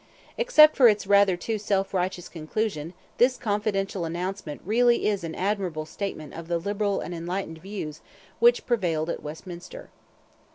Except for its rather too self righteous conclusion this confidential announcement really is an admirable statement of the 'liberal and enlightened' views which prevailed at Westminster.